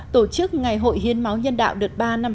tổ chức ngày hội hiến máu nhân đạo đợt ba năm hai nghìn một mươi bảy